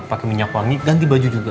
pakai minyak wangi ganti baju juga